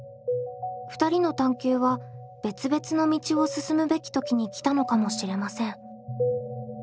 ２人の探究は別々の道を進むべき時に来たのかもしれません。